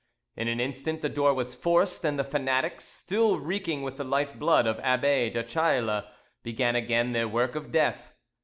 In an instant the door was forced, and the fanatics, still reeking with the life blood of Abbe Duchayla, began again their work of death.